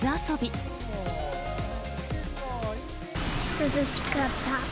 涼しかった。